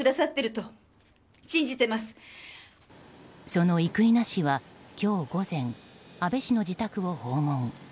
その生稲氏は今日午前安倍氏の自宅を訪問。